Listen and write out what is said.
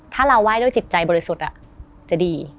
ถ้าเราไห้ด้วยจิตใจบริสุทธิ์จะดี